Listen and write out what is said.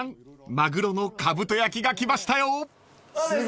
まぐろのかぶと焼きが来ましたよ］